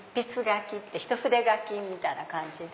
一筆書きみたいな感じで。